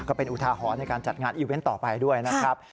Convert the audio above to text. ก็เป็นอุทาหรณ์ในการจัดงานอีเวนต์ต่อไปด้วยนะครับ